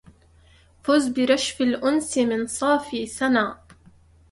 فز برشف الانس من صافي سنا